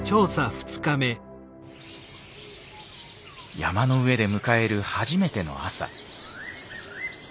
山の上で迎える初めての朝。